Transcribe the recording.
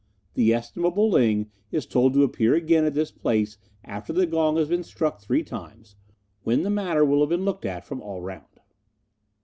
The estimable Ling is told to appear again at this place after the gong has been struck three times, when the matter will have been looked at from all round."